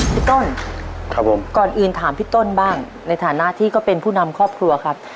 พี่ต้นครับผมก่อนอื่นถามพี่ต้นบ้างในฐานะที่ก็เป็นผู้นำครอบครัวครับ